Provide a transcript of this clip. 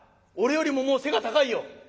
俺よりももう背が高いよ」。